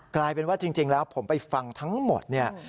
กลายเป็นว่าจริงแล้วผมไปฟังทั้งหมดเนี่ย